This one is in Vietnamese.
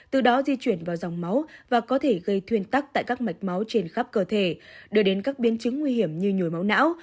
từ đó di chuyển vào dòng máu và có thể gây thuyên tắc tại các mạch máu trên khắp cơ thể đưa đến các biến chứng nguy hiểm như nhồi máu não